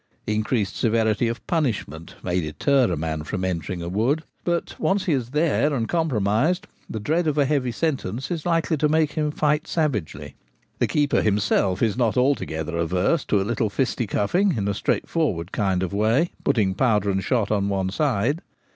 Increased severity of punishment may deter a man from entering a wood ; but once he is there and compromised, the dread of a heavy sentence is likely to make him fight savagely. The keeper himself is not altogether averse to a little fisticuffing, in a straightforward kind of way, putting powder and shot on one side.